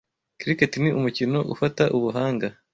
Cricket ni umukino ufata ubuhanga.